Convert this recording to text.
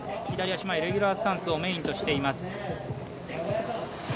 左足前、レギュラースタンスをメインとしています。